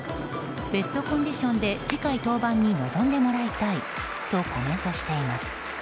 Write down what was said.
ベストコンディションで次回、登板に臨んでもらいたいとコメントしています。